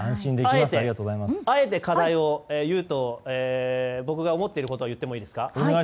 あえて課題、僕が思っていること言ってもいいですか？